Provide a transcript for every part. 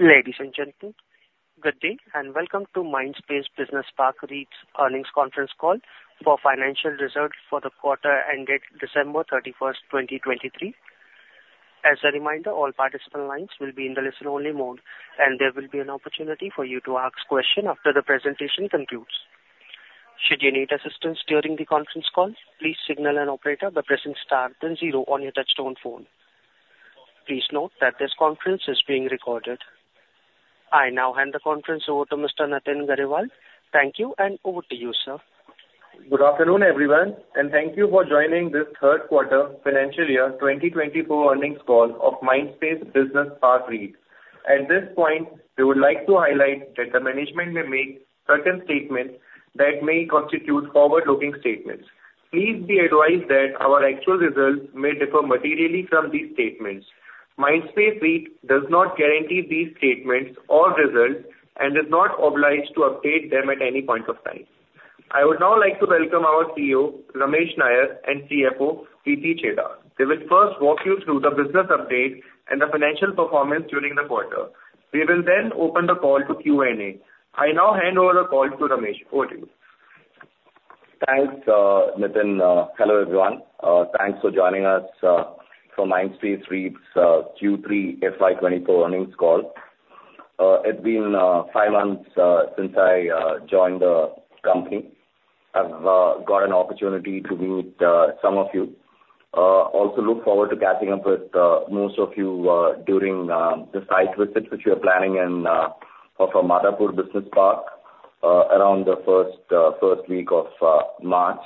Ladies and gentlemen, good day, and welcome to Mindspace Business Parks REIT's Earnings Conference Call for financial results for the quarter ended December 31, 2023. As a reminder, all participant lines will be in the listen-only mode, and there will be an opportunity for you to ask questions after the presentation concludes. Should you need assistance during the conference call, please signal an operator by pressing star then zero on your touchtone phone. Please note that this conference is being recorded. I now hand the conference over to Mr. Nitin Garewal. Thank you, and over to you, sir. Good afternoon, everyone, and thank you for joining this Q3 Financial Year 2024 Earnings Call of Mindspace Business Parks REIT. At this point, we would like to highlight that the management may make certain statements that may constitute forward-looking statements. Please be advised that our actual results may differ materially from these statements. Mindspace REIT does not guarantee these statements or results and is not obliged to update them at any point of time. I would now like to welcome our CEO, Ramesh Nair, and CFO, Preeti Chheda. They will first walk you through the business update and the financial performance during the quarter. We will then open the call to Q&A. I now hand over the call to Ramesh. Over to you. Thanks, Nitin. Hello, everyone. Thanks for joining us for Mindspace REIT's Q3 FY 2024 earnings call. It's been five months since I joined the company. I've got an opportunity to meet some of you. Also look forward to catching up with most of you during the site visits which we are planning in for our Madhapur Business Park around the first week of March.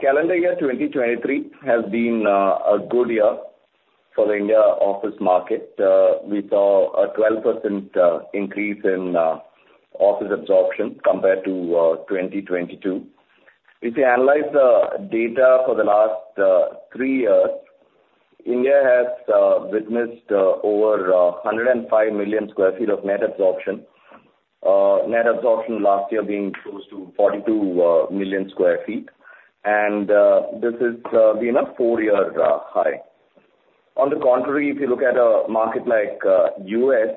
Calendar year 2023 has been a good year for the India office market. We saw a 12% increase in office absorption compared to 2022. If you analyze the data for the last 3 years, India has witnessed over 105 million sq ft of net absorption. Net absorption last year being close to 42 million sq ft, and this has been a 4-year high. On the contrary, if you look at a market like U.S.,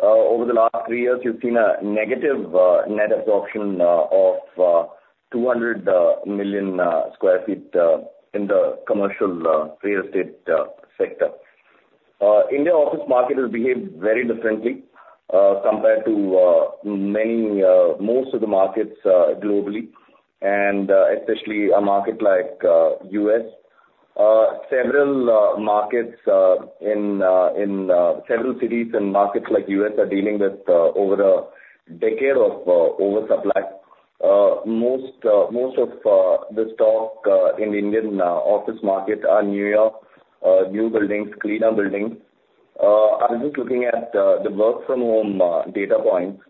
over the last 3 years, you've seen a negative net absorption of 200 million sq ft in the commercial real estate sector. India office market has behaved very differently compared to many, most of the markets globally, and especially a market like U.S. Several markets in several cities and markets like U.S. are dealing with over a decade of oversupply. Most of the stock in the Indian office market are newer new buildings, cleaner buildings. I was just looking at the work from home data points.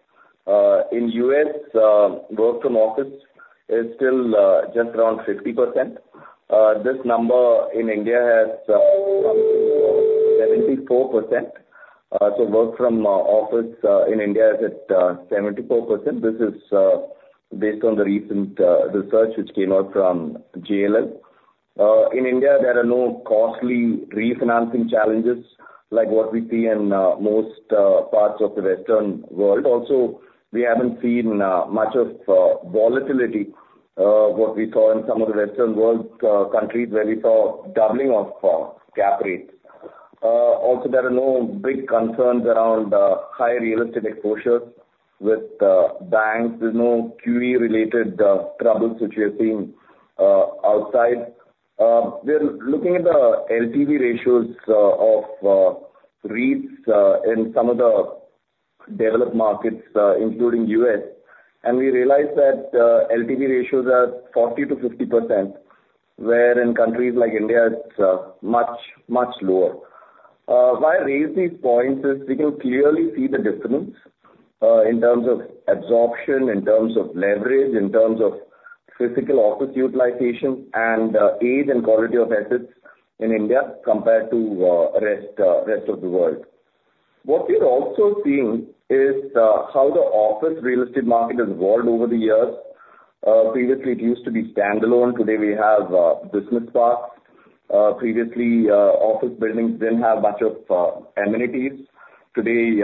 In U.S., work from office is still just around 50%. This number in India has 74%. So work from office in India is at 74%. This is based on the recent research which came out from JLL. In India, there are no costly refinancing challenges like what we see in most parts of the Western world. Also, we haven't seen much of volatility what we saw in some of the Western world countries, where we saw doubling of cap rates. Also, there are no big concerns around high real estate exposures with banks. There's no QE related troubles which we are seeing outside. We are looking at the LTV ratios of REITs in some of the developed markets, including U.S., and we realize that LTV ratios are 40% to 50%, where in countries like India it's much, much lower. Why I raise these points is we can clearly see the difference in terms of absorption, in terms of leverage, in terms of physical office utilization, and age and quality of assets in India compared to rest of the world. What we're also seeing is how the office real estate market has evolved over the years. Previously it used to be standalone. Today, we have business parks. Previously, office buildings didn't have much of amenities. Today,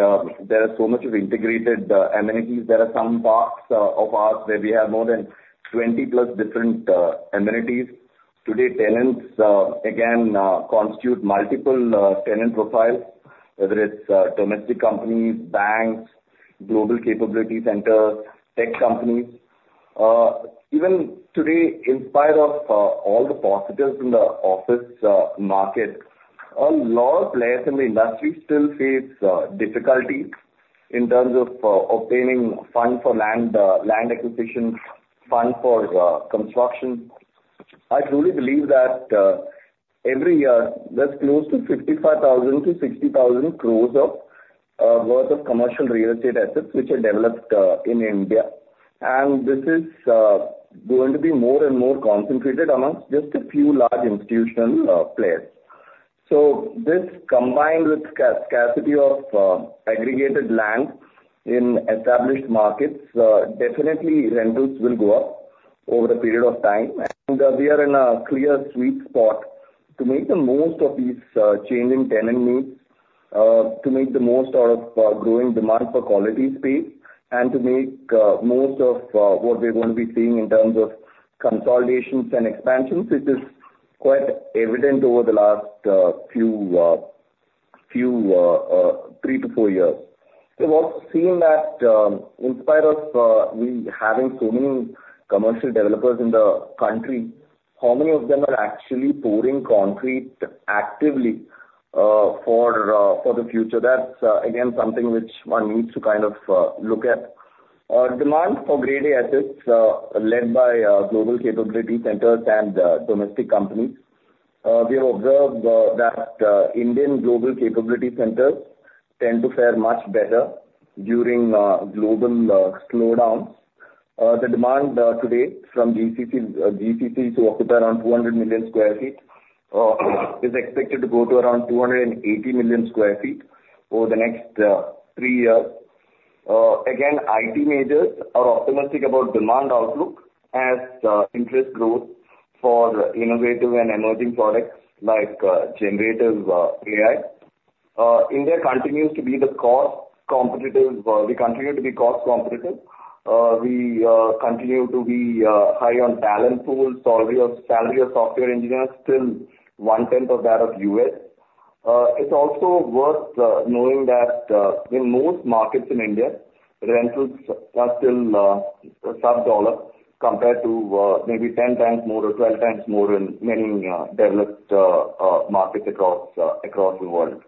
there are so much of integrated amenities. There are some parks of ours where we have more than 20+ different amenities. Today, tenants again constitute multiple tenant profiles, whether it's domestic companies, banks, global capability centers, tech companies. Even today, in spite of all the positives in the office market, a lot of players in the industry still face difficulties in terms of obtaining funds for land land acquisition, funds for construction. I truly believe that every year, there's close to 55,000 crore to 60,000 crore worth of commercial real estate assets which are developed in India, and this is going to be more and more concentrated amongst just a few large institutional players. So this combined with scarcity of aggregated land in established markets, definitely rentals will go up over a period of time. We are in a clear sweet spot to make the most of these changing tenant needs to make the most out of growing demand for quality space, and to make most of what we're going to be seeing in terms of consolidations and expansions, which is quite evident over the last few three to four years. We've also seen that, in spite of we having so many commercial developers in the country, how many of them are actually pouring concrete actively for the future? That's again, something which one needs to kind of look at. Demand for Grade A assets, led by global capability centers and domestic companies. We have observed that Indian global capability centers tend to fare much better during global slowdowns. The demand today from GCCs, GCCs who occupy around 200 million sq ft, is expected to go to around 280 million sq ft over the next 3 years. Again, IT majors are optimistic about demand outlook as interest grows for innovative and emerging products like generative AI. India continues to be the cost competitive, we continue to be cost competitive. We continue to be high on talent pool. Salary of, salary of software engineers still one-tenth of that of U.S. It's also worth knowing that in most markets in India, rentals are still sub dollar, compared to maybe 10x more or 12x more in many developed markets across the world.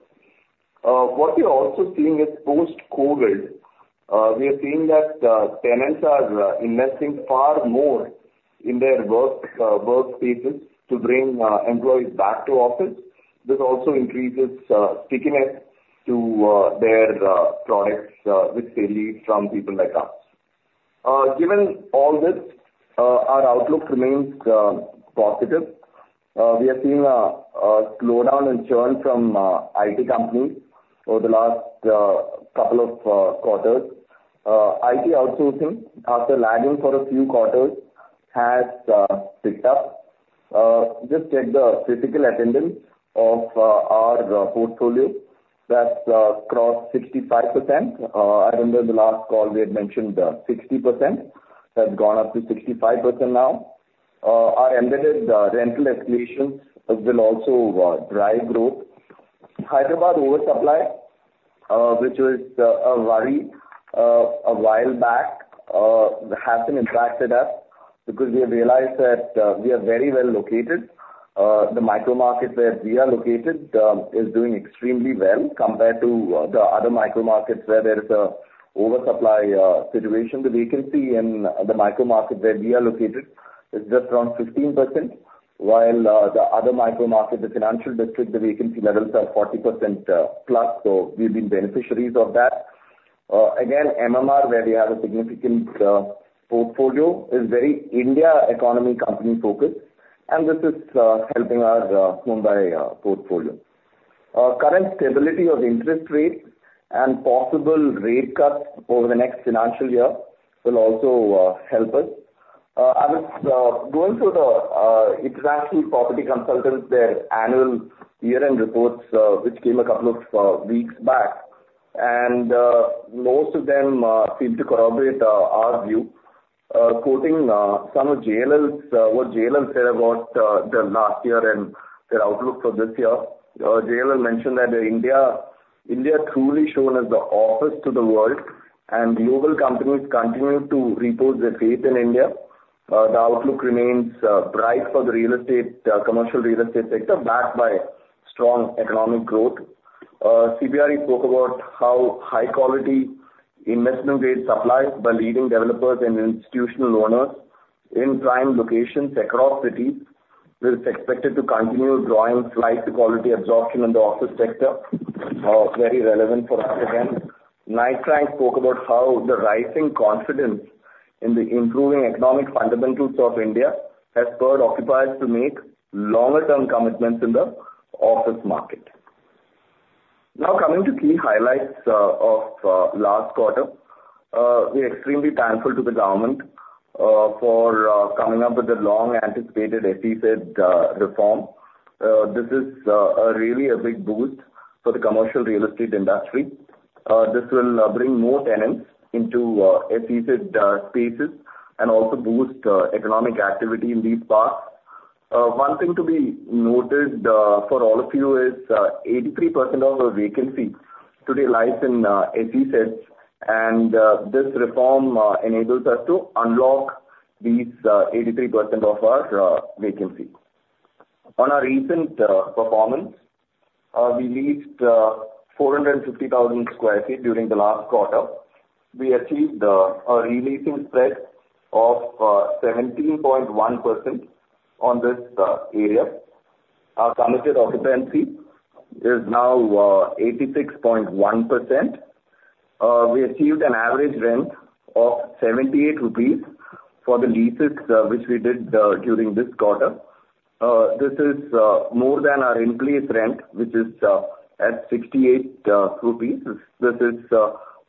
What we're also seeing is post-COVID, we are seeing that tenants are investing far more in their work workspaces to bring employees back to office. This also increases stickiness to their products which they lease from people like us. Given all this, our outlook remains positive. We have seen a slowdown in churn from IT companies over the last couple of quarters. IT outsourcing, after lagging for a few quarters, has picked up. Just check the physical attendance of our portfolio. That's crossed 65%. I remember the last call we had mentioned 60%. That's gone up to 65% now. Our embedded rental escalations will also drive growth. Hyderabad oversupply, which was a worry a while back, hasn't impacted us because we have realized that we are very well located. The micro market where we are located is doing extremely well compared to the other micro markets where there is a oversupply situation. The vacancy in the micro market where we are located is just around 15%, while the other micro market, the Financial District, the vacancy levels are 40% plus, so we've been beneficiaries of that. Again, MMR, where we have a significant portfolio, is very India economy company focused, and this is helping our Mumbai portfolio. Current stability of interest rates and possible rate cuts over the next financial year will also help us. I was going through the international property consultants, their annual year-end reports, which came a couple of weeks back, and most of them seem to corroborate our view. Quoting some of JLL's, what JLL said about the last year and their outlook for this year. JLL mentioned that India, India truly shone as the office to the world, and global companies continue to repose their faith in India. The outlook remains bright for the real estate commercial real estate sector, backed by strong economic growth. CBRE spoke about how high quality investment grade supplies by leading developers and institutional owners in prime locations across cities is expected to continue driving flight to quality absorption in the office sector. Very relevant for us again. Knight Frank spoke about how the rising confidence in the improving economic fundamentals of India has spurred occupiers to make longer term commitments in the office market. Now, coming to key highlights of last quarter. We're extremely thankful to the government for coming up with the long-anticipated SEZ reform. This is a really big boost for the commercial real estate industry. This will bring more tenants into SEZ spaces and also boost economic activity in these parks. One thing to be noted for all of you is, 83% of our vacancy today lies in SEZs, and this reform enables us to unlock these 83% of our vacancy. On our recent performance, we leased 450,000 sq ft during the last quarter. We achieved a re-leasing spread of 17.1% on this area. Our committed occupancy is now 86.1%. We achieved an average rent of 78 rupees for the leases which we did during this quarter. This is more than our in-place rent, which is at 68 rupees. This is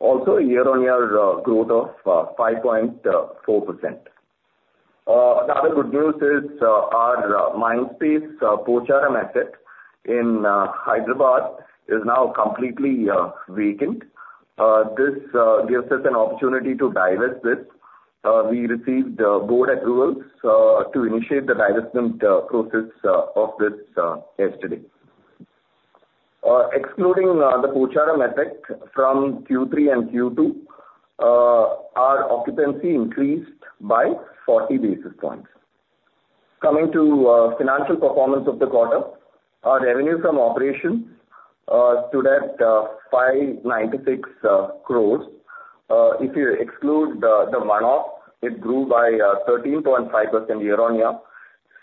also a year-on-year growth of 5.4%. The other good news is, our Mindspace Pocharam asset in Hyderabad is now completely vacant. This gives us an opportunity to divest this. We received board approvals to initiate the divestment process of this yesterday. Excluding the Pocharam asset from Q3 and Q2, our occupancy increased by 40 basis points. Coming to financial performance of the quarter, our revenue from operations stood at 596 crore. If you exclude the one-off, it grew by 13.5% year-on-year.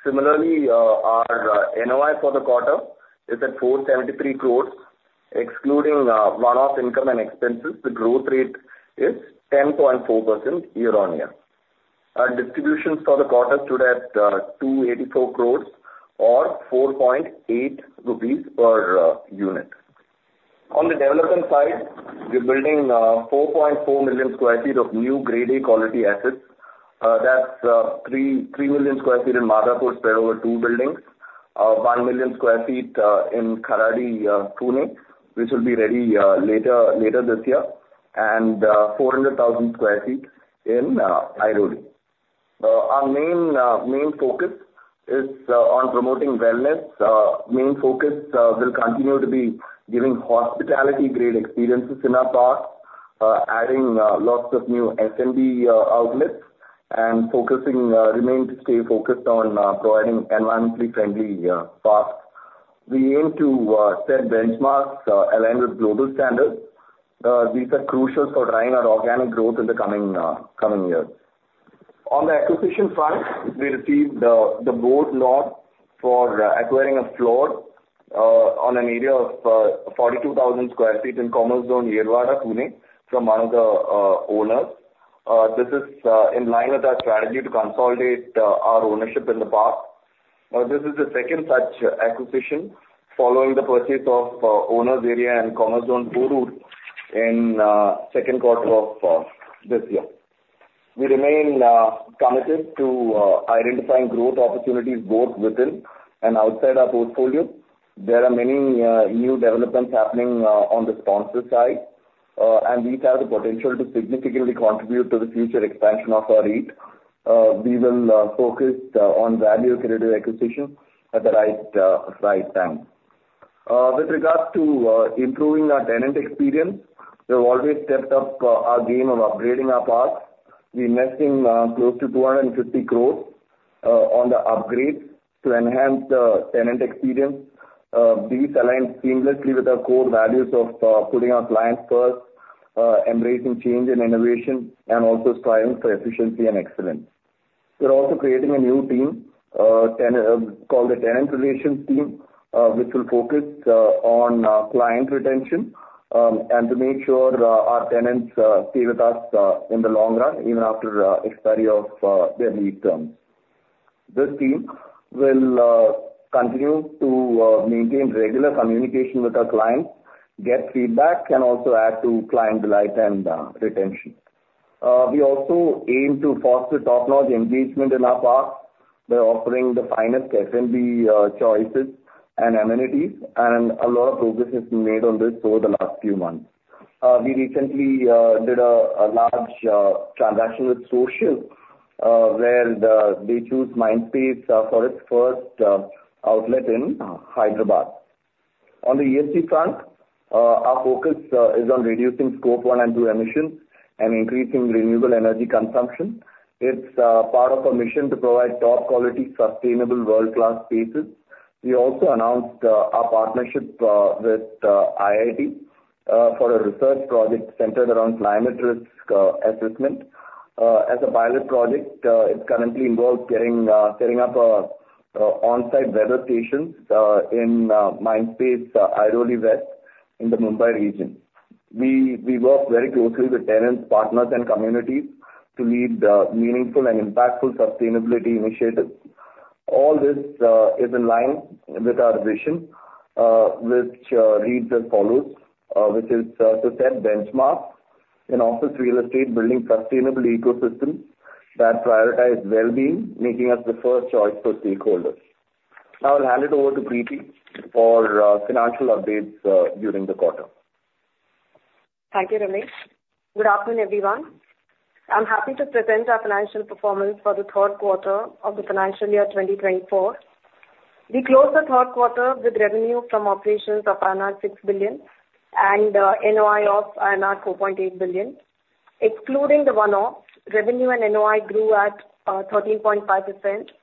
Similarly, our NOI for the quarter is at 473 crore. Excluding one-off income and expenses, the growth rate is 10.4% year-on-year. Our distributions for the quarter stood at 284 crore or 4.8 rupees per unit. On the development side, we're building 4.4 million sq ft of new Grade A quality assets. That's 3.3 million sq ft in Madhapur spread over two buildings, 1 million sq ft in Kharadi, Pune, which will be ready later this year, and 400,000 sq ft in Airoli. Our main focus is on promoting wellness. Main focus will continue to be giving hospitality-grade experiences in our parks, adding lots of new F&B outlets, and focusing remain to stay focused on providing environmentally friendly parks. We aim to set benchmarks aligned with global standards. These are crucial for driving our organic growth in the coming years. On the acquisition front, we received the board nod for acquiring a floor on an area of 42,000 sq ft in Commerzone Yerwada, Pune, from one of the owners. This is in line with our strategy to consolidate our ownership in the park. This is the second such acquisition following the purchase of owner's area in Commerzone Porur in Q1 of this year. We remain committed to identifying growth opportunities both within and outside our portfolio. There are many new developments happening on the sponsor side, and these have the potential to significantly contribute to the future expansion of our REIT. We will focus on value accretive acquisitions at the right time. With regards to improving our tenant experience, we've always stepped up our game on upgrading our parks. We're investing close to 250 crores on the upgrades to enhance the tenant experience. These align seamlessly with our core values of putting our clients first, embracing change and innovation, and also striving for efficiency and excellence. We're also creating a new team called the Tenant Relations Team, which will focus on client retention and to make sure our tenants stay with us in the long run, even after expiry of their lease terms. This team will continue to maintain regular communication with our clients, get feedback, and also add to client delight and retention. We also aim to foster top-notch engagement in our parks by offering the finest F&B choices and amenities, and a lot of progress has been made on this over the last few months. We recently did a large transaction with SOCIAL, where they chose Mindspace for its first outlet in Hyderabad. On the ESG front, our focus is on reducing Scope 1 and 2 emissions and increasing renewable energy consumption. It's part of our mission to provide top-quality, sustainable, world-class spaces. We also announced our partnership with IIT for a research project centered around climate risk assessment. As a pilot project, it currently involves setting up on-site weather stations in Mindspace Airoli West in the Mumbai region. We work very closely with tenants, partners, and communities to lead meaningful and impactful sustainability initiatives. All this is in line with our vision, which reads as follows: "To set benchmarks in office real estate, building sustainable ecosystems that prioritize well-being, making us the first choice for stakeholders." Now, I'll hand it over to Preeti for financial updates during the quarter. Thank you, Ramesh. Good afternoon, everyone. I'm happy to present our financial performance for the Q3 of the financial year 2024. We closed the Q3 with revenue from operations of 6 billion and NOI of 4.8 billion. Excluding the one-offs, revenue and NOI grew at 13.5%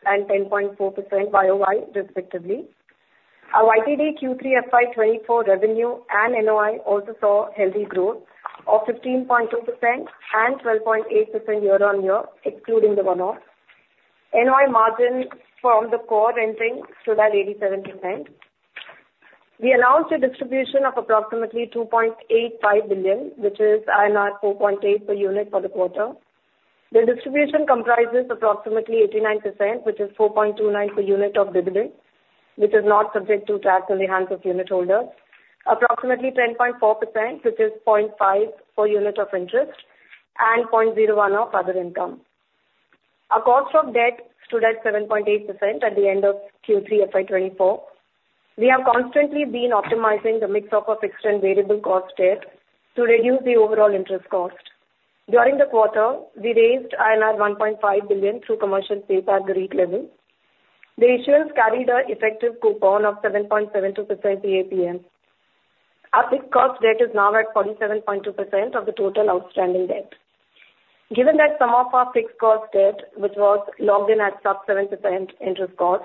and 10.4% YOY, respectively. Our YTD Q3 FY 2024 revenue and NOI also saw healthy growth of 15.2% and 12.8% year-on-year, excluding the one-offs. NOI margin from the core renting stood at 87%. We announced a distribution of approximately 2.85 billion, which is INR 4.8 per unit for the quarter. The distribution comprises approximately 89%, which is 4.29 per unit of dividend, which is not subject to tax in the hands of unit holders. Approximately 10.4%, which is 0.5% of interest, and 0.01% of other income. Our cost of debt stood at 7.8% at the end of Q3 FY 2024. We have constantly been optimizing the mix of our fixed and variable cost debt to reduce the overall interest cost. During the quarter, we raised INR 1.5 billion through commercial paper at great level. The issuance carried an effective coupon of 7.72% APM. Our fixed cost debt is now at 47.2% of the total outstanding debt. Given that some of our fixed cost debt, which was locked in at sub-7% interest cost,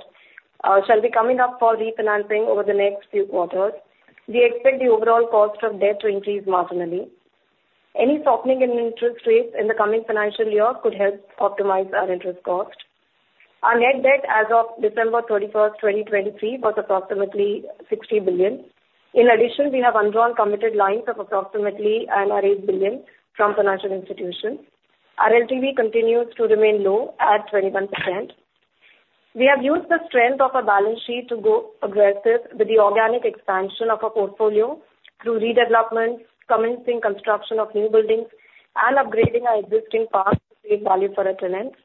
shall be coming up for refinancing over the next few quarters, we expect the overall cost of debt to increase marginally. Any softening in interest rates in the coming financial year could help optimize our interest cost. Our net debt as of December 31, 2023, was approximately 60 billion. In addition, we have undrawn committed lines of approximately 8 billion from financial institutions. Our LTV continues to remain low at 21%. We have used the strength of our balance sheet to go aggressive with the organic expansion of our portfolio through redevelopments, commencing construction of new buildings, and upgrading our existing parks to create value for our tenants.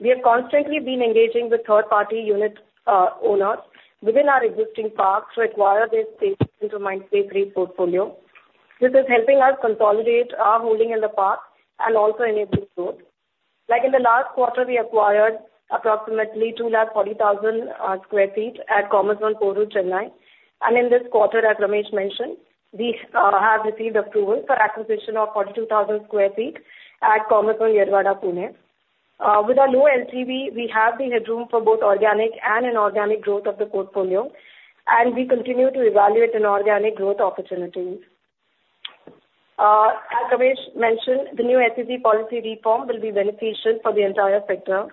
We have constantly been engaging with third-party unit owners within our existing parks to acquire their space into Mindspace REIT portfolio. This is helping us consolidate our holding in the park and also enabling growth. Like in the last quarter, we acquired approximately 240,000 sq ft at Commerzone Koramangala, Chennai. In this quarter, as Ramesh mentioned, we have received approval for acquisition of 42,000 sq ft at Commerzone Yerwada, Pune. With our low LTV, we have the headroom for both organic and inorganic growth of the portfolio, and we continue to evaluate inorganic growth opportunities. As Ramesh mentioned, the new SEZ policy reform will be beneficial for the entire sector.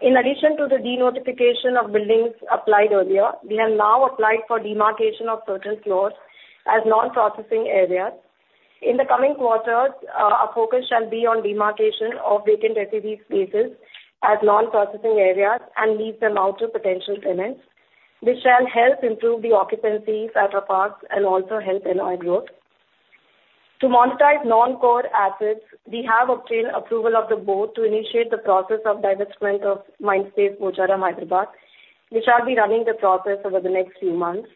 In addition to the denotification of buildings applied earlier, we have now applied for demarcation of certain floors as non-processing areas. In the coming quarters, our focus shall be on demarcation of vacant SEZ spaces as non-processing areas and lease them out to potential tenants. This shall help improve the occupancies at our parks and also help NOI growth. To monetize non-core assets, we have obtained approval of the board to initiate the process of divestment of Mindspace Pocharam, Hyderabad, which shall be running the process over the next few months.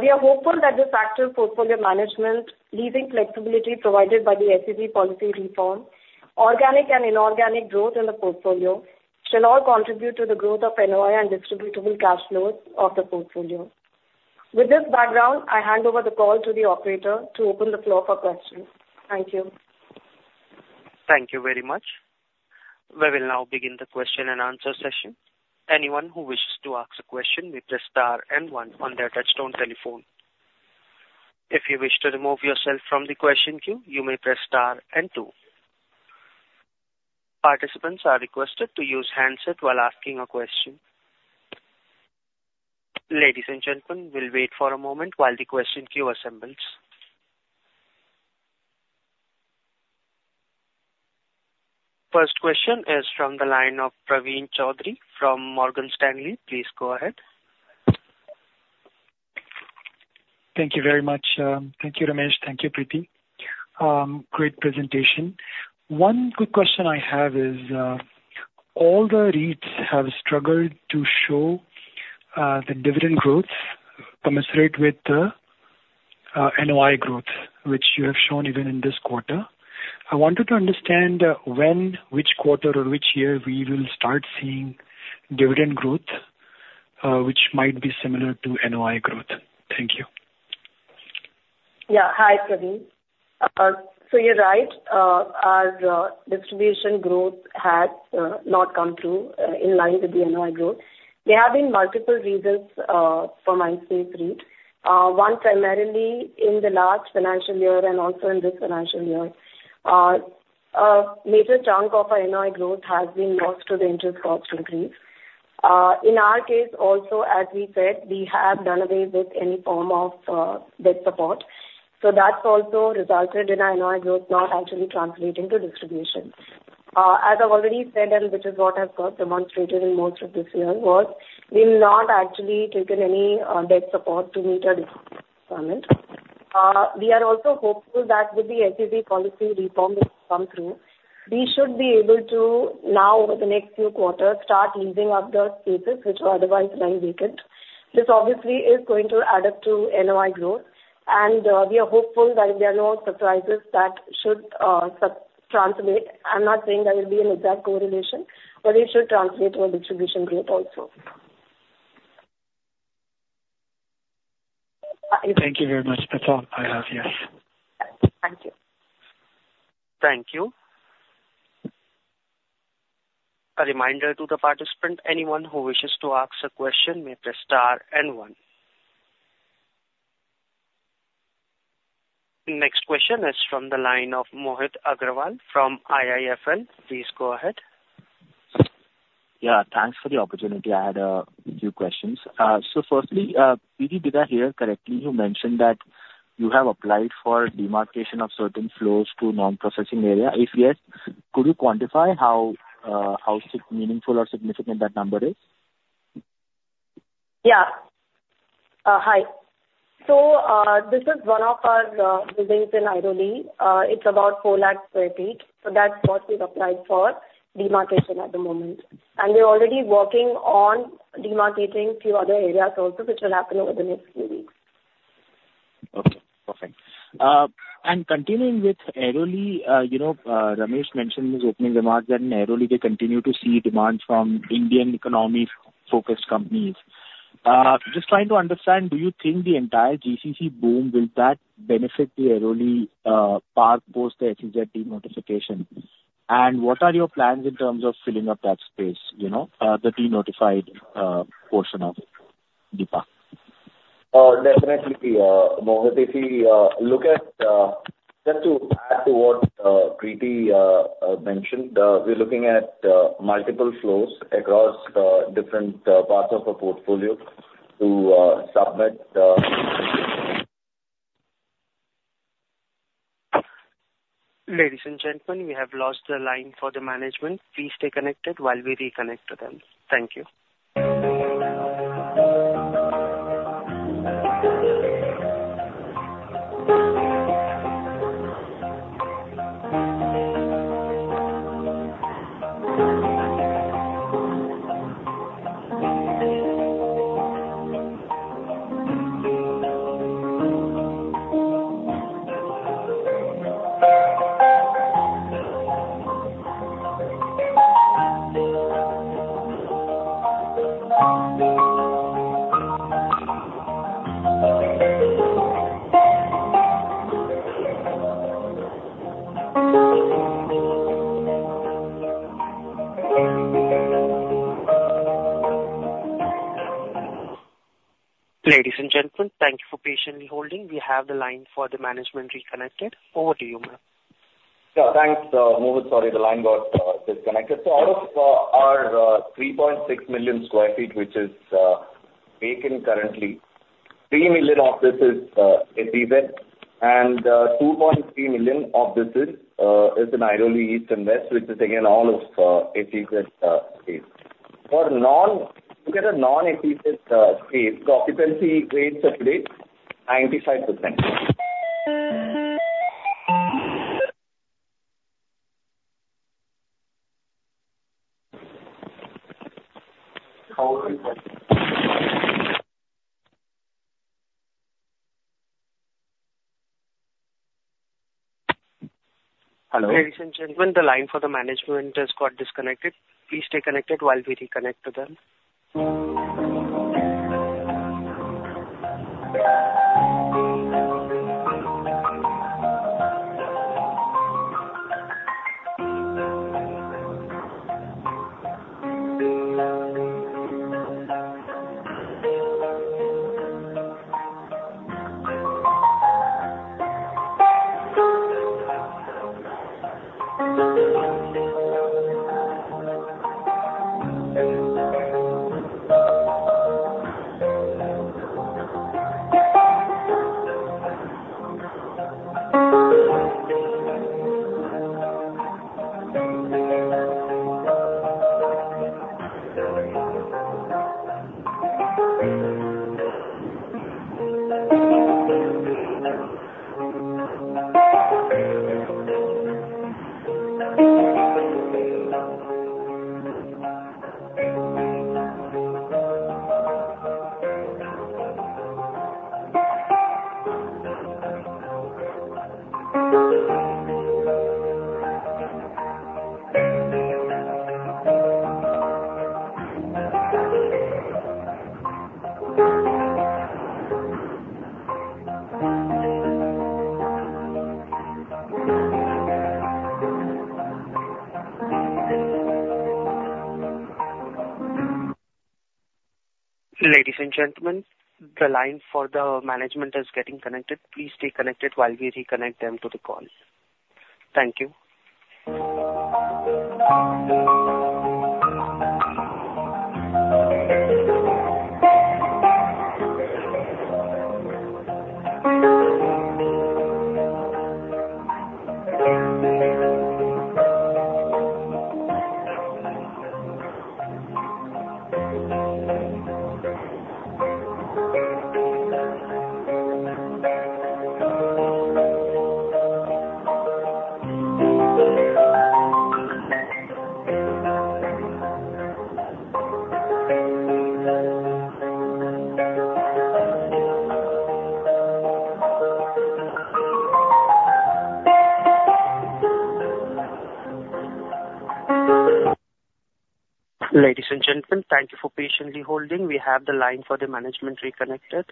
We are hopeful that this active portfolio management, leaving flexibility provided by the SEZ policy reform, organic and inorganic growth in the portfolio, shall all contribute to the growth of NOI and distributable cash flows of the portfolio. With this background, I hand over the call to the operator to open the floor for questions. Thank you. Thank you very much. We will now begin the Q&A session. Anyone who wishes to ask a question, may press star and one on their touchtone telephone. If you wish to remove yourself from the question queue, you may press star and two. Participants are requested to use handset while asking a question. Ladies and gentlemen, we'll wait for a moment while the question queue assembles. First question is from the line of Praveen Choudhary from Morgan Stanley. Please go ahead. Thank you very much. Thank you, Ramesh. Thank you, Preeti. Great presentation. One quick question I have is, all the REITs have struggled to show the dividend growth commensurate with the NOI growth, which you have shown even in this quarter. I wanted to understand when, which quarter or which year we will start seeing dividend growth, which might be similar to NOI growth? Thank you. Yeah. Hi, Praveen. So you're right. Our distribution growth has not come through in line with the NOI growth. There have been multiple reasons for Mindspace REIT. One, primarily in the last financial year and also in this financial year, a major chunk of our NOI growth has been lost to the interest cost degree. In our case also, as we said, we have done away with any form of debt support. So that's also resulted in our NOI growth not actually translating to distribution. As I've already said, and which is what I've got demonstrated in most of this year, was we've not actually taken any debt support to meet our requirement. We are also hopeful that with the SEZ policy reform which come through, we should be able to now, over the next few quarters, start leasing up the spaces which were otherwise lying vacant. This obviously is going to add up to NOI growth, and, we are hopeful that if there are no surprises, that should, sub- translate. I'm not saying there will be an exact correlation, but it should translate to a distribution growth also. Thank you very much. That's all I have. Yes. Thank you. Thank you. A reminder to the participant, anyone who wishes to ask a question, may press star and one. Next question is from the line of Mohit Agarwal from IIFL. Please go ahead. Yeah, thanks for the opportunity. I had two questions. So firstly, Preeti, did I hear correctly, you mentioned that you have applied for demarcation of certain floors to Non-Processing Area? If yes, could you quantify how meaningful or significant that number is? Yeah. Hi. So, this is one of our buildings in Airoli. It's about 400,000 sq ft. So that's what we've applied for demarcation at the moment, and we're already working on demarcating few other areas also, which will happen over the next few weeks. Okay, perfect. And continuing with Airoli, you know, Ramesh mentioned in his opening remarks that in Airoli they continue to see demand from Indian economy-focused companies. Just trying to understand, do you think the entire GCC boom will that benefit the Airoli park post the SEZ de-notification? And what are your plans in terms of filling up that space, you know, the de-notified portion of it, Deepa? Definitely, Mohit. If we look at. Just to add to what Preeti mentioned, we're looking at multiple floors across different parts of our portfolio to submit- Ladies and gentlemen, we have lost the line for the management. Please stay connected while we reconnect to them. Thank you. Ladies and gentlemen, thank you for patiently holding. We have the line for the management reconnected. Over to you, ma'am. Yeah, thanks, Mohit. Sorry, the line got disconnected. So out of our 3.6 million sq ft, which is vacant currently, 3 million of this is SEZ, and 2.3 million of this is in Airoli East and West, which is again all of SEZ space. For non-SEZ space, the occupancy rates are today 95%. Hello? Ladies and gentlemen, the line for the management has got disconnected. Please stay connected while we reconnect to them. Ladies and gentlemen, the line for the management is getting connected. Please stay connected while we reconnect them to the call. Thank you. Ladies and gentlemen, thank you for patiently holding. We have the line for the management reconnected.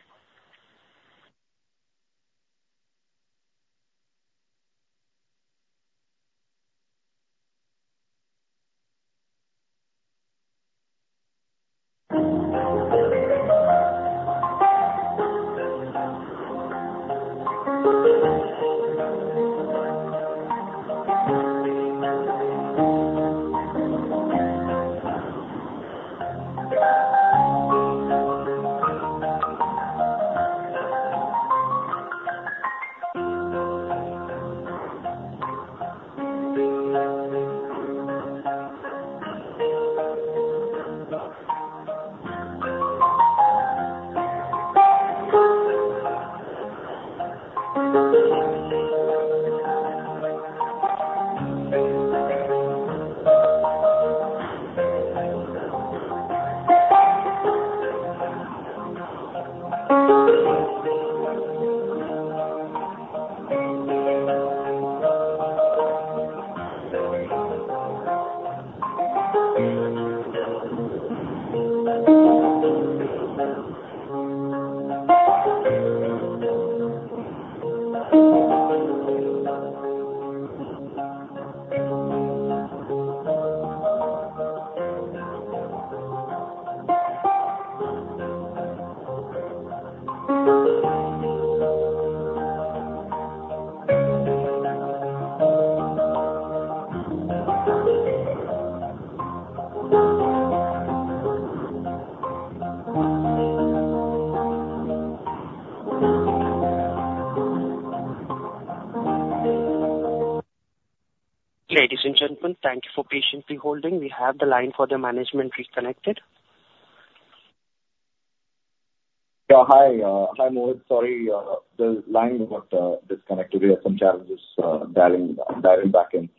Ladies and gentlemen, thank you for patiently holding. We have the line for the management reconnected. Yeah, hi. Hi, Mohit. Sorry, the line got disconnected. We had some challenges dialing back in.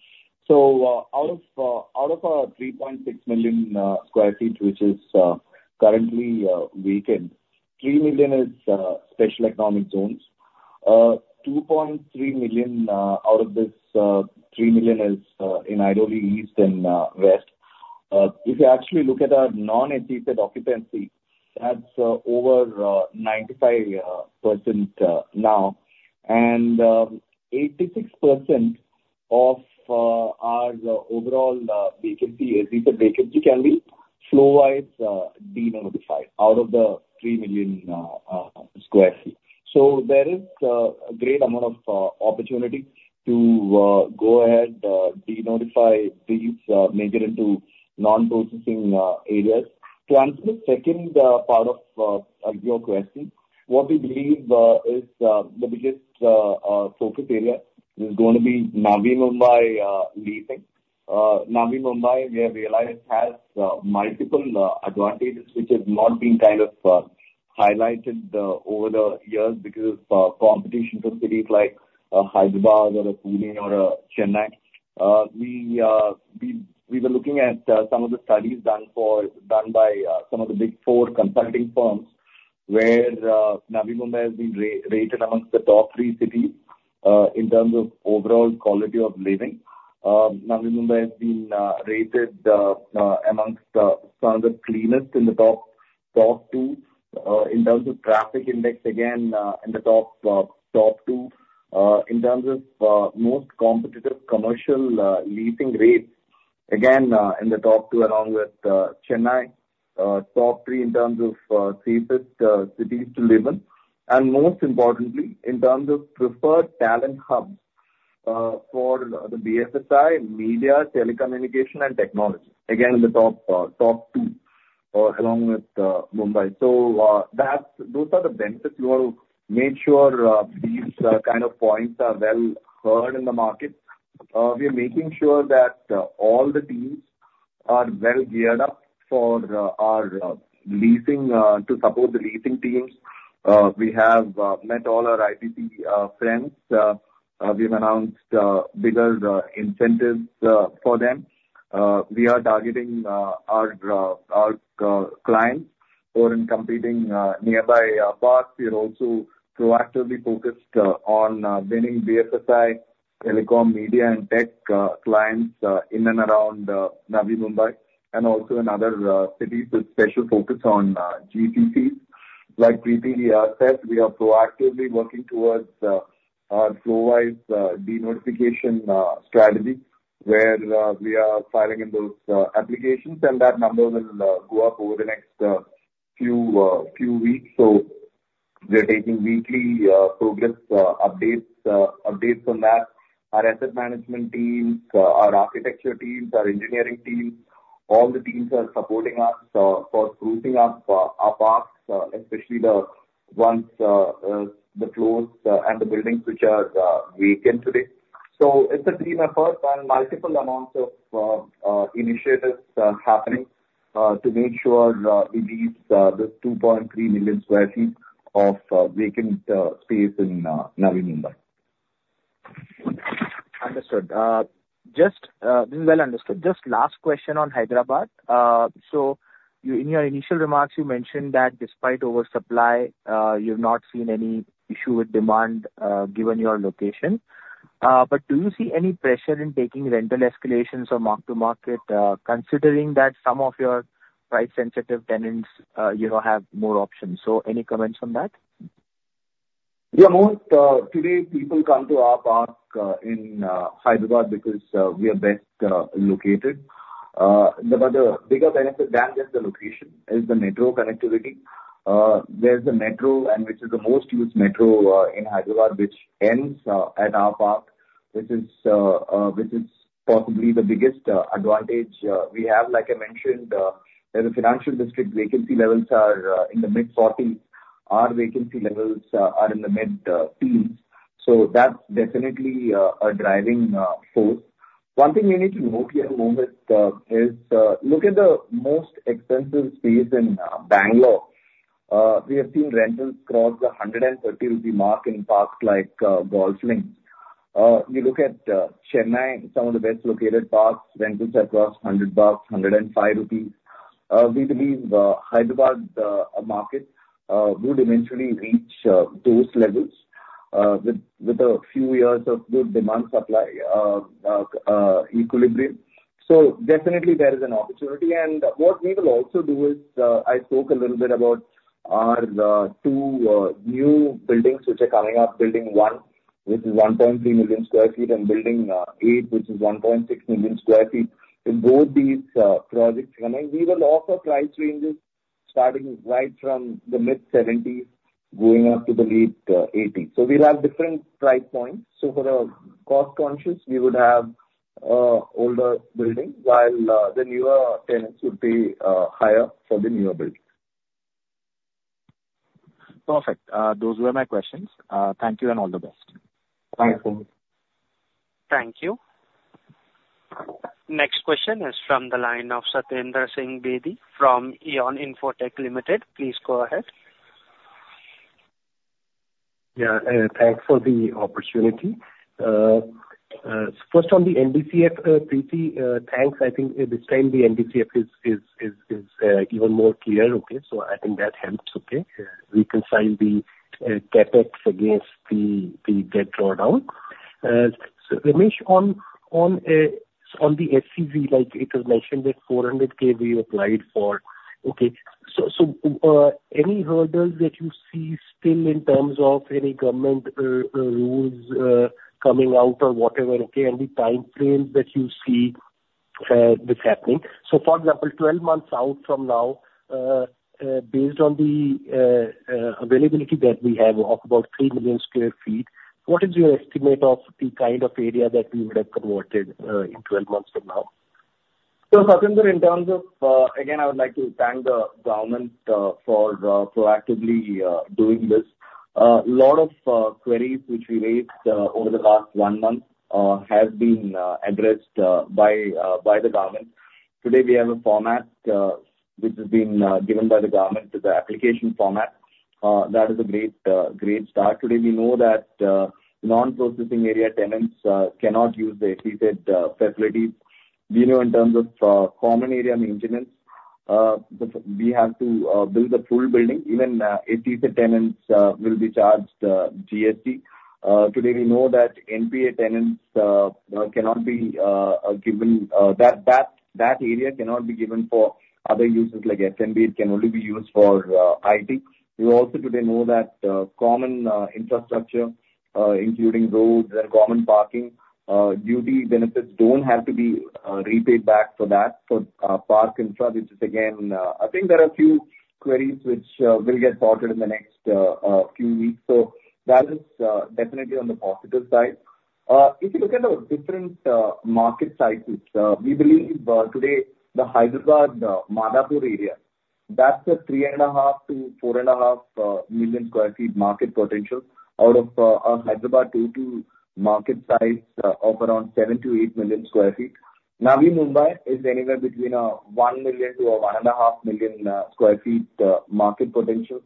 So, out of our 3.6 million sq ft, which is currently vacant, 3 million is special economic zones. 2.3 million out of this 3 million is in Airoli East and West. If you actually look at our non-SEZ occupancy, that's over 95% now, and 86% of our overall vacancy, SEZ vacancy can be floor wise denotified out of the 3 million sq ft. So there is a great amount of opportunity to go ahead denotify these major into non-processing areas. To answer the second part of your question, what we believe is the biggest focus area is going to be Navi Mumbai leasing. Navi Mumbai, we have realized, has multiple advantages, which has not been kind of highlighted over the years because of competition from cities like Hyderabad or Pune or Chennai. We were looking at some of the studies done by some of the big four consulting firms, where Navi Mumbai has been rated amongst the top three cities in terms of overall quality of living. Navi Mumbai has been rated amongst some of the cleanest in the top two in terms of traffic index, again in the top two. In terms of most competitive commercial leasing rates, again, in the top two, along with Chennai. Top three in terms of safest cities to live in, and most importantly, in terms of preferred talent hub for the BFSI, media, telecommunication and technology. Again, in the top top two, along with Mumbai. So, that's, those are the benefits. We want to make sure these kind of points are well heard in the market. We are making sure that all the teams are well geared up for our leasing to support the leasing teams. We have met all our IPC friends. We've announced bigger incentives for them. We are targeting our clients who are in competing nearby parks. We are also proactively focused on winning BFSI, telecom, media and tech clients in and around Navi Mumbai and also in other cities, with special focus on GTC. Like Preeti said, we are proactively working towards our floor wise denotification strategy, where we are filing in those applications, and that number will go up over the next few weeks. So we're taking weekly progress updates on that. Our asset management teams, our architecture teams, our engineering teams, all the teams are supporting us for sprucing up our parks, especially the ones, the floors and the buildings which are vacant today. So it's a team effort and multiple amounts of initiatives happening to make sure we lease this 2.3 million sq ft of vacant space in Navi Mumbai. Understood. This is well understood. Just last question on Hyderabad. So, in your initial remarks, you mentioned that despite oversupply, you've not seen any issue with demand, given your location. But do you see any pressure in taking rental escalations or Mark-to-Market, considering that some of your price-sensitive tenants, you know, have more options? So any comments on that? Yeah, most today people come to our park in Hyderabad because we are best located. But the bigger benefit than just the location is the metro connectivity. There's the metro, and which is the most used metro in Hyderabad, which ends at our park. This is possibly the biggest advantage we have. Like I mentioned, there's a financial district vacancy levels are in the mid-40s. Our vacancy levels are in the mid-teens. So that's definitely a driving force. One thing you need to note here, Mohit, is look at the most expensive space in Bangalore. We have seen rentals cross the 130 rupee mark in parks like Golf Link. You look at Chennai, some of the best located parks, rentals have crossed 100 rupees, 105 rupees. We believe Hyderabad market would eventually reach those levels with a few years of good demand supply equilibrium. So definitely there is an opportunity. And what we will also do is, I spoke a little bit about our two new buildings which are coming up. Building 1, which is 1.3 million sq ft, and Building 8, which is 1.6 million sq ft. In both these projects coming, we will offer price ranges starting right from the mid-70s INR going up to the late 80s INR. So we'll have different price points. For the cost-conscious, we would have older buildings, while the newer tenants would pay higher for the newer buildings. Perfect. Those were my questions. Thank you, and all the best. Thanks, Mohit. Thank you. Next question is from the line of Satjinder Singh Bedi from EON Infotech Limited. Please go ahead. Yeah, thanks for the opportunity. First on the NDCF, Preeti, thanks. I think this time the NDCF is even more clear. Okay, so I think that helps, okay? We can sign the CapEx against the debt drawdown. So, Ramesh, on the SEZ, like it was mentioned that 400,000 we applied for, okay. So, any hurdles that you see still in terms of any government rules coming out or whatever, okay, and the timeframe that you see this happening? So, for example, 12 months out from now, based on the availability that we have of about 3 million sq ft, what is your estimate of the kind of area that we would have converted in 12 months from now? So, Satjinder, in terms of, again, I would like to thank the government for proactively doing this. Lot of queries which we raised over the past one month have been addressed by the government. Today, we have a format which has been given by the government, it's an application format. That is a great start. Today, we know that non-processing area tenants cannot use the SEZ facilities. We know in terms of common area maintenance, we have to build the full building. Even SEZ tenants will be charged GST. Today, we know that NPA tenants cannot be given that area cannot be given for other uses like F&B. It can only be used for IT. We also today know that common infrastructure, including roads and common parking, duty benefits don't have to be repaid back for that, for park infra, which is again. I think there are a few queries which will get sorted in the next few weeks. So that is definitely on the positive side. If you look at the different market cycles, we believe today, the Hyderabad Madhapur area, that's a 3.5 to 4.5 million sq ft market potential out of our Hyderabad 22 market size of around 7 to 8 million sq ft. Navi Mumbai is anywhere between 1 to 1.5 million sq ft market potential.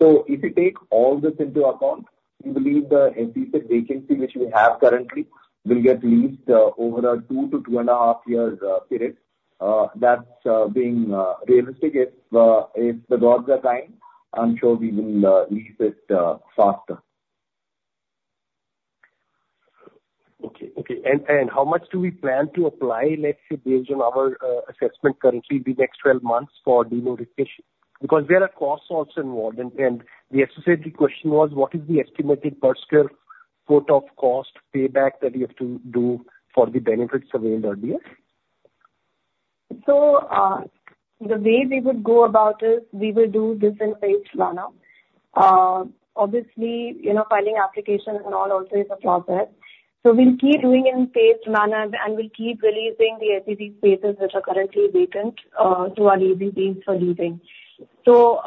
So if you take all this into account, we believe the SEZ vacancy which we have currently will get leased over a 2 to 2.5 year period. That's being realistic. If the gods are kind, I'm sure we will lease it faster. Okay. Okay, and, and how much do we plan to apply, let's say, based on our assessment currently, the next 12 months for denotification? Because there are costs also involved, and, and the associated question was: what is the estimated per sq ft of cost payback that we have to do for the benefits availed earlier? So, the way we would go about this, we will do this in phased manner. Obviously, you know, filing applications and all also is a process. So we'll keep doing in phased manner, and we'll keep releasing the SEZ spaces that are currently vacant, to our leasing teams for leasing. So,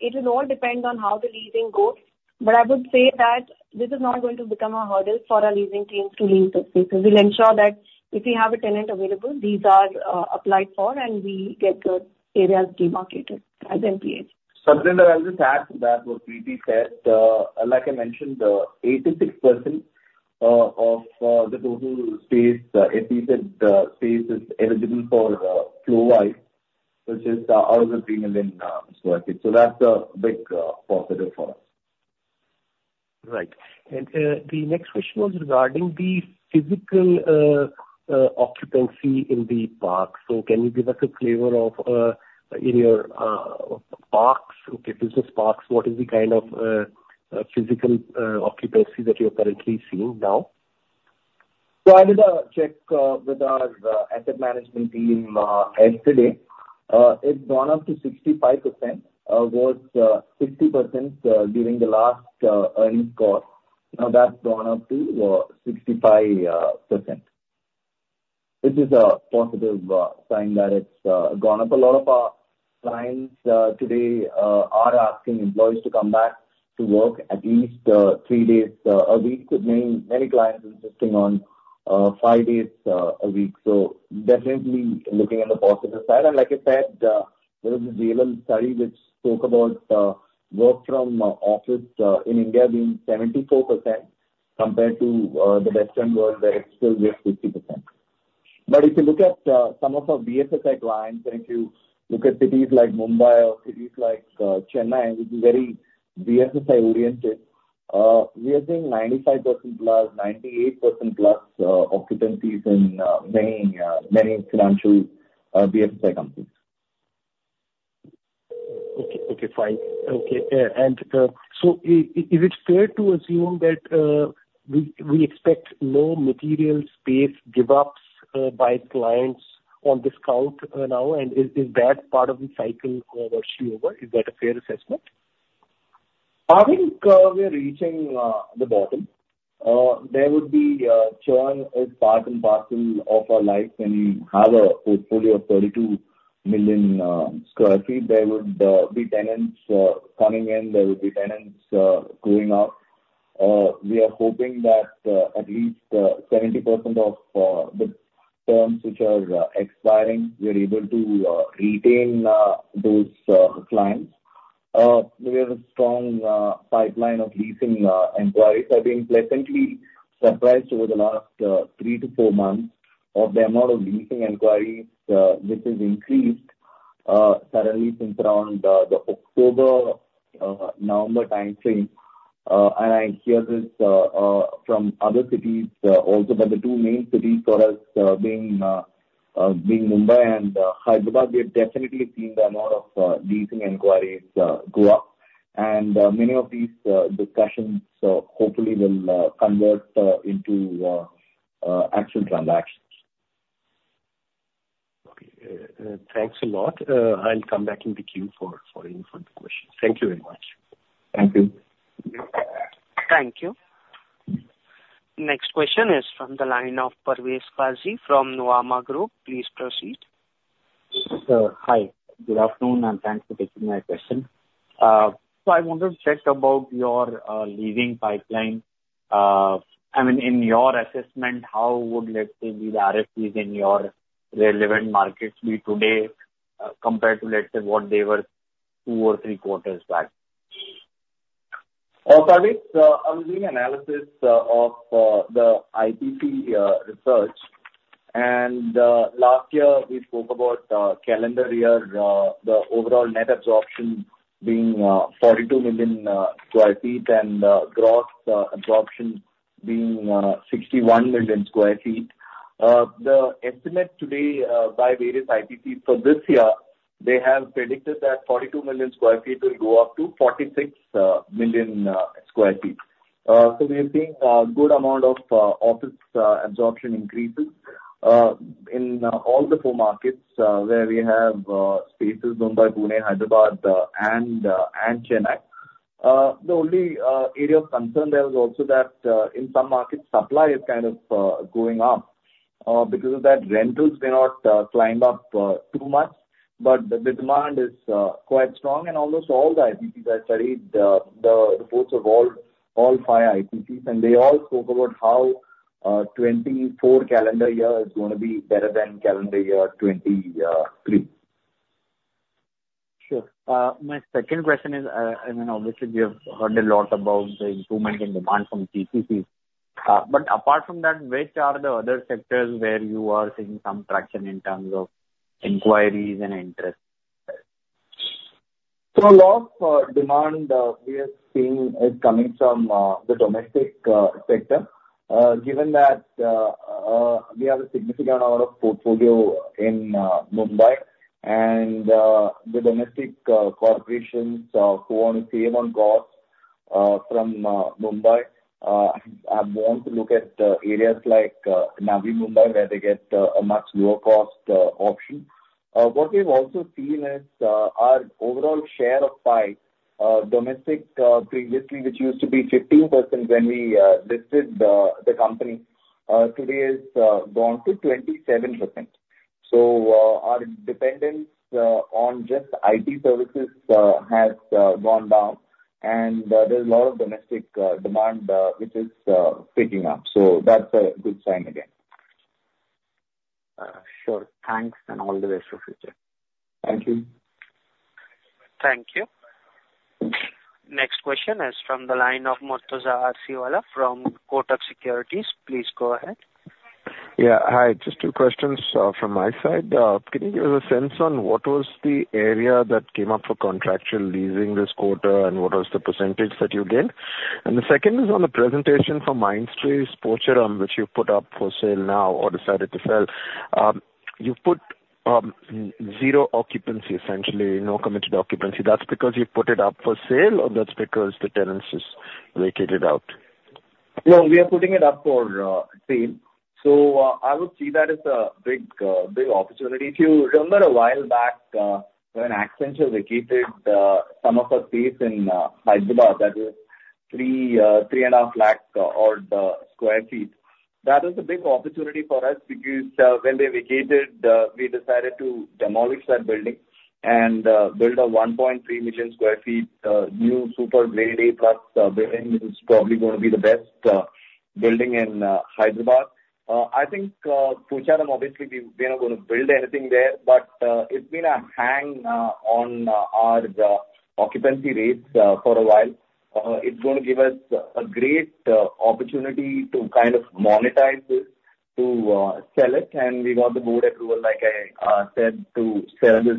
it will all depend on how the leasing goes, but I would say that this is not going to become a hurdle for our leasing teams to lease those spaces. We'll ensure that if we have a tenant available, these are, applied for, and we get the areas demarcated as NPA. Satjinder, I'll just add to that what Preeti said. Like I mentioned, 86% of the total space, SEZ space is eligible for floor-wise, which is out of the 3 million sq ft. So that's a big positive for us. Right. And the next question was regarding the physical occupancy in the parks. So can you give us a flavor of in your parks, okay, business parks, what is the kind of physical occupancy that you're currently seeing now? So I did a check with our asset management team yesterday. It's gone up to 65%, was 60% during the last earnings call. Now, that's gone up to 65%. This is a positive sign that it's gone up. A lot of our clients today are asking employees to come back to work at least three days a week, with many, many clients insisting on five days a week. So definitely looking on the positive side, and like I said, there was a JLL study which spoke about work from office in India being 74% compared to the Western world, where it's still just 50%. If you look at some of our BFSI clients, and if you look at cities like Mumbai or cities like Chennai, which is very BFSI oriented, we are seeing 95%+, 98%+ occupancies in many, many financial BFSI companies. Okay. Okay, fine. Okay, and so is it fair to assume that we expect no material space give ups by clients on this count now, and is that part of the cycle virtually over? Is that a fair assessment? I think we are reaching the bottom. Churn is part and parcel of our life. When you have a portfolio of 32 million sq ft, there would be tenants coming in, there would be tenants going out. We are hoping that at least 70% of the terms which are expiring, we are able to retain those clients. We have a strong pipeline of leasing inquiries. I've been pleasantly surprised over the last 3 to 4 months of the amount of leasing inquiries which has increased suddenly since around the October, November time frame. And I hear this from other cities also, but the two main cities for us, being Mumbai and Hyderabad, we have definitely seen the amount of leasing inquiries go up, and many of these discussions hopefully will convert into actual transactions. Okay. Thanks a lot. I'll come back in the queue for, for any further questions. Thank you very much. Thank you. Thank you. Next question is from the line of Parvez Qazi from Nomura Group. Please proceed. Sir, hi, good afternoon, and thanks for taking my question. So I wanted to check about your leasing pipeline. I mean, in your assessment, how would, let's say, the RFPs in your relevant markets be today, compared to, let's say, what they were two or three quarters back? Parvez, I was doing analysis of the IPC research, and last year we spoke about calendar year the overall net absorption being 42 million sq ft and gross absorption being 61 million sq ft. The estimate today by various IPC for this year, they have predicted that 42 million sq ft will go up to 46 million sq ft. So we are seeing a good amount of office absorption increases in all the four markets where we have spaces, Mumbai, Pune, Hyderabad, and Chennai. The only area of concern there is also that in some markets, supply is kind of going up. Because of that, rentals may not climb up too much, but the demand is quite strong and almost all the IPCs I studied, the reports of all 5 IPCs, and they all spoke about how 2024 calendar year is gonna be better than calendar year 2023. Sure. My second question is, I mean, obviously we have heard a lot about the improvement in demand from TCCs, but apart from that, which are the other sectors where you are seeing some traction in terms of inquiries and interest? So a lot of demand we are seeing is coming from the domestic sector. Given that we have a significant amount of portfolio in Mumbai and the domestic corporations who want to save on costs from Mumbai are bound to look at areas like Navi Mumbai, where they get a much lower cost option. What we've also seen is our overall share of pie domestic previously, which used to be 15% when we listed the company, today is gone to 27%. So our dependence on just IT services has gone down, and there's a lot of domestic demand which is picking up. So that's a good sign again. Sure. Thanks, and all the best for future. Thank you. Thank you. Next question is from the line of Murtuza Arsiwalla from Kotak Securities. Please go ahead. Yeah, hi, just two questions, from my side. Can you give us a sense on what was the area that came up for contractual leasing this quarter, and what was the percentage that you gained? And the second is on the presentation from Mindspace Pocharam, which you put up for sale now or decided to sell, You put, zero occupancy, essentially, no committed occupancy. That's because you've put it up for sale, or that's because the tenants just vacated out? No, we are putting it up for sale. So, I would see that as a big, big opportunity. If you remember a while back, when Accenture vacated, some of our space in, Hyderabad, that was 3.5 lakh sq ft. That is a big opportunity for us because, when they vacated, we decided to demolish that building and, build a 1.3 million sq ft, new super grade A plus, building. It's probably gonna be the best, building in, Hyderabad. I think, Pocharam, obviously, we, we are gonna build anything there, but, it's been a hang, on, our, occupancy rates, for a while. It's gonna give us a great opportunity to kind of monetize this, to sell it, and we got the board approval, like I said, to sell this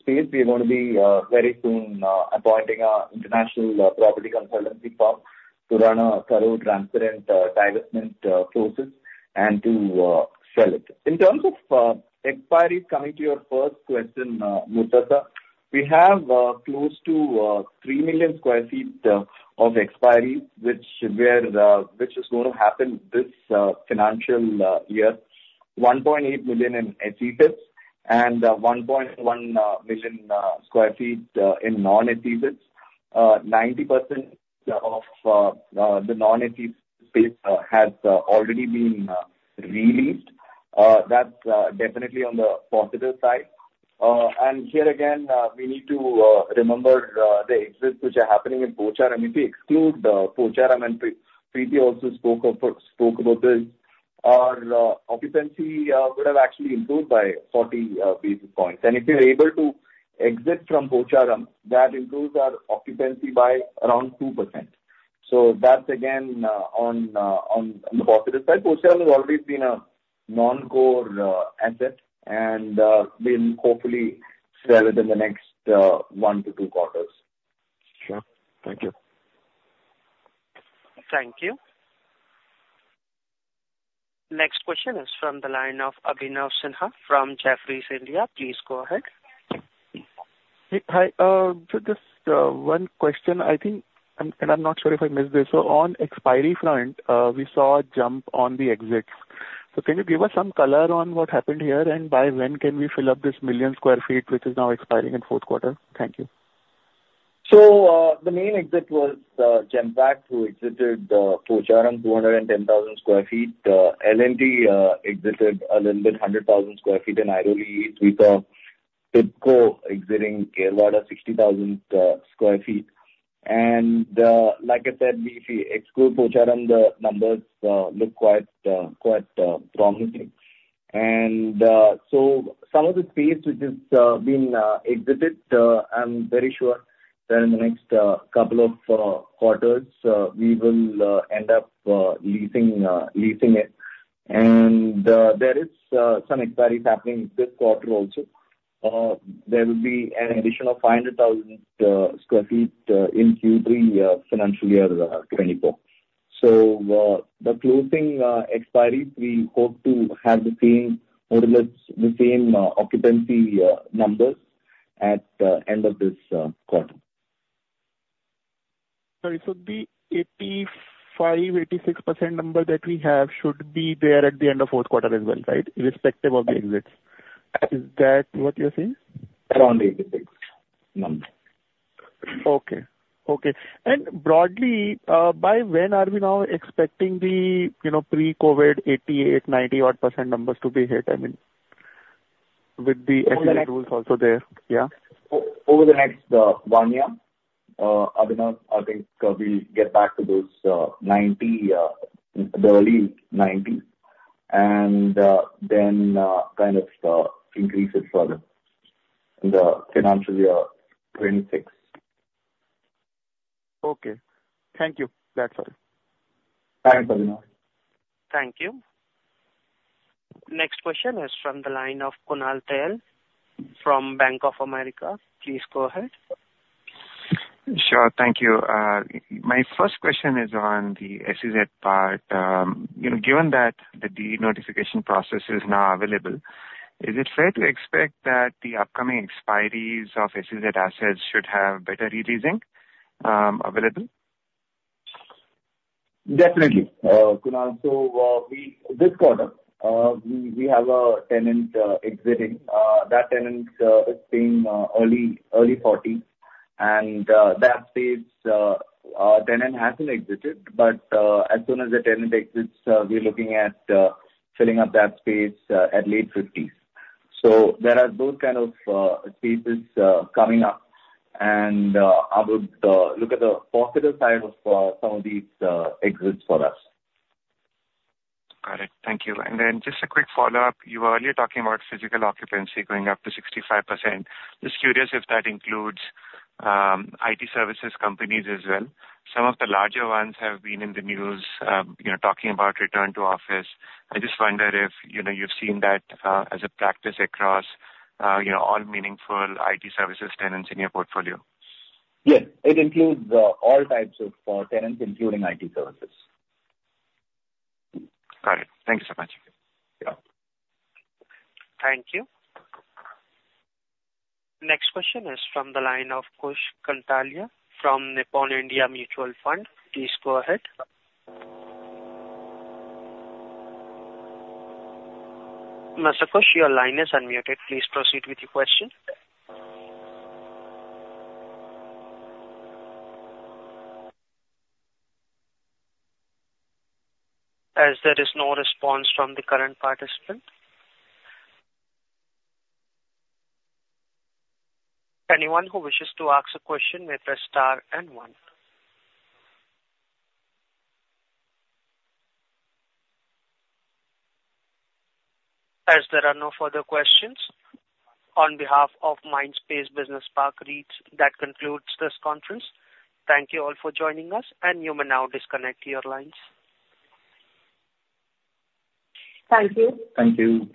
space. We're gonna be very soon appointing our international property consultancy firm to run a thorough, transparent divestment process and to sell it. In terms of expiries, coming to your first question, Murtuza. We have close to 3 million sq ft of expiry, which is gonna happen this financial year. 1.8 million in SEZ, and 1.1 million sq ft in non-SEZ. 90% of the non-SEZ space has already been re-leased. That's definitely on the positive side. Here, again, we need to remember the exits which are happening in Pocharam. If we exclude Pocharam, and Preeti also spoke of, spoke about this, our occupancy would have actually improved by 40 basis points. And if we are able to exit from Pocharam, that improves our occupancy by around 2%. So that's again on the positive side. Pocharam has always been a non-core asset, and we'll hopefully sell it in the next one to two quarters. Sure. Thank you. Thank you. Next question is from the line of Abhinav Sinha from Jefferies India. Please go ahead. Hi. Just one question. I think, and I'm not sure if I missed this. So on expiry front, we saw a jump on the exits. So can you give us some color on what happened here, and by when can we fill up this 1 million sq ft, which is now expiring in Q4? Thank you. So, the main exit was Genpact, who exited Pocharam, 210,000 sq ft. L&T exited a little bit, 100,000 sq ft in Airoli East. We saw Wipro exiting Yerwada, 60,000 sq ft. And, like I said, if we exclude Pocharam, the numbers look quite promising. And, so some of the space which is being exited, I'm very sure that in the next couple of quarters, we will end up leasing it. And, there is some expiries happening this quarter also. There will be an addition of 500,000 sq ft in Q3, financial year 2024. The closing expiry, we hope to have the same modulus, the same occupancy numbers at the end of this quarter. So it would be 85% to 86% number that we have should be there at the end of Q4 as well, right? Irrespective of the exits. Is that what you're saying? Around 86% number. Okay. Okay, and broadly, by when are we now expecting the, you know, pre-COVID 88-90% numbers to be hit? I mean, with the expiry rules also there. Yeah. Over the next one year, Abhinav, I think we'll get back to those 90, the early 90s, and then kind of increase it further in the financial year 2026. Okay. Thank you. That's all. Thanks, Abhinav. Thank you. Next question is from the line of Kunal Tayal from Bank of America. Please go ahead. Sure. Thank you. My first question is on the SEZ part. You know, given that the de-notification process is now available, is it fair to expect that the upcoming expiries of SEZ assets should have better re-leasing available? Definitely, Kunal. So, this quarter, we have a tenant exiting. That tenant is paying early 40, and that space, our tenant hasn't exited, but as soon as the tenant exits, we're looking at filling up that space at late 50s. So there are those kind of spaces coming up, and I would look at the positive side of some of these exits for us. Got it. Thank you. And then just a quick follow-up. You were earlier talking about physical occupancy going up to 65%. Just curious if that includes IT services companies as well. Some of the larger ones have been in the news, you know, talking about return to office. I just wonder if, you know, you've seen that as a practice across all meaningful IT services tenants in your portfolio. Yes, it includes all types of tenants, including IT services. Got it. Thank you so much. Yeah. Thank you. Next question is from the line of Kush Kantalia from Nippon India Mutual Fund. Please go ahead. Mr. Kush, your line is unmuted. Please proceed with your question. As there is no response from the current participant. Anyone who wishes to ask a question may press star and one. As there are no further questions, on behalf of Mindspace Business Parks REIT, that concludes this conference. Thank you all for joining us, and you may now disconnect your lines. Thank you. Thank you.